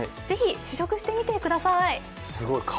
ぜひ試食してみてください。